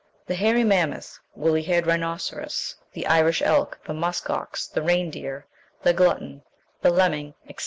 The hairy mammoth, woolly haired rhinoceros, the Irish elk, the musk ox, the reindeer, the glutton, the lemming, etc.